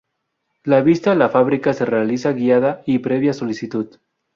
La visita a la fábrica se realiza guiada y previa solicitud.